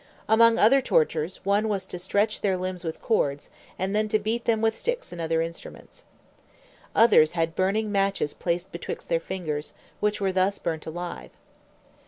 Among other tortures, one was to stretch their limbs with cords, and then to beat them with sticks and other instruments. Others had burning matches placed betwixt their fingers, which were thus burnt alive.